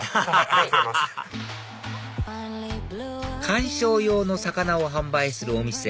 観賞用の魚を販売するお店